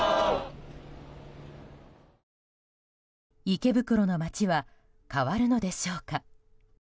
池袋の街は変わるのでしょうか？